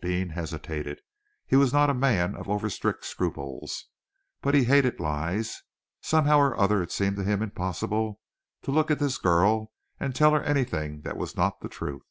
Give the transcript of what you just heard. Deane hesitated. He was not a man of over strict scruples, but he hated lies. Somehow or other, it seemed to him impossible to look at this girl and tell her anything that was not the truth.